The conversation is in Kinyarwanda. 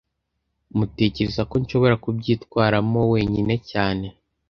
Tmutekereza ko nshobora kubyitwaramo wenyine cyane